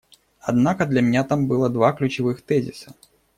Однако для меня там было два ключевых тезиса.